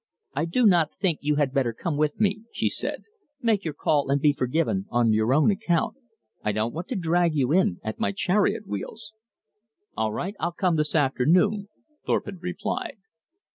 "I do not think you had better come with me," she said. "Make your call and be forgiven on your own account. I don't want to drag you in at my chariot wheels." "All right. I'll come this afternoon," Thorpe had replied.